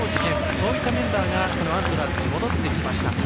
そういったメンバーがアントラーズに戻ってきました。